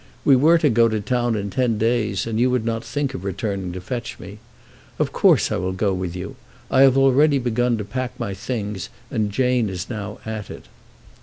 We were to go to town in ten days, and you would not think of returning to fetch me. Of course I will go with you. I have already begun to pack my things, and Jane is now at it."